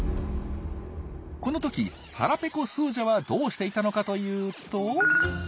このとき腹ペコスージャはどうしていたのかというと。